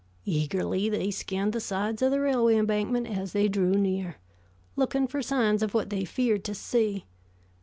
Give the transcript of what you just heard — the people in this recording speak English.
Eagerly they scanned the sides of the railway embankment as they drew near, looking for signs of what they feared to see.